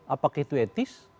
apakah itu etis